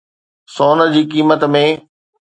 سون جي قيمت ۾